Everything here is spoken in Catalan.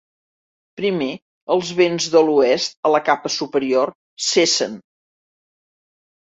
Primer, els vents de l'oest a la capa superior cessen.